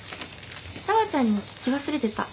紗和ちゃんに聞き忘れてた。